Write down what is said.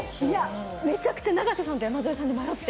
めちゃくちゃ永瀬さんと山添さんと迷って。